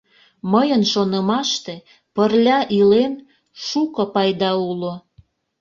Мыйын шонымаште, пырля илен, шуко пайда уло.